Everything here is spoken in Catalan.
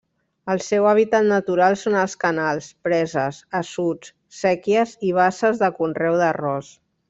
El seu hàbitat natural són els canals, preses, assuts, séquies i basses de conreu d'arròs.